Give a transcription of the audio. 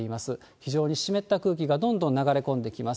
非常に湿った空気がどんどん流れ込んできます。